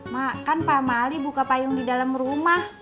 mak kan pak mali buka payung di dalam rumah